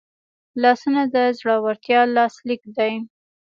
لاسونه د زړورتیا لاسلیک دی